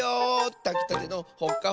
たきたてのほっかほかだよ！